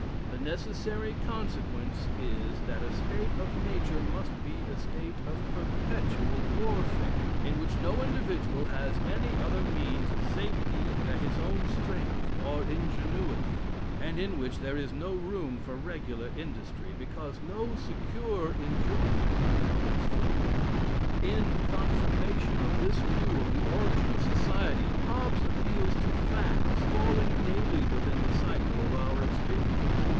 The necessary consequence is, that a state of nature must be a state of perpetual warfare, in which no individual has any other means of safety than his own strength or ingenuity; and in which there is no room for regular industry, because no secure enjoyment of its fruits. In confirmation of this view of the origin of society, Hobbes appeals to facts falling daily within the cycle of our experience.